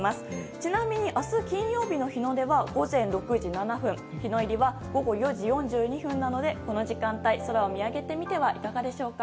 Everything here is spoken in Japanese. ちなみに明日、金曜日の日の出は午前６時７分日の入りは午後４時４２分なのでこの時間帯、空を見上げてみてはいかがでしょうか。